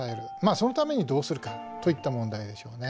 そのためにどうするかといった問題でしょうね。